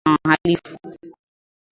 Alitenga kutokana na wahalifu